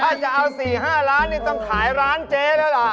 ถ้าจะเอา๔๕ล้านนี่ต้องขายร้านเจ๊แล้วล่ะ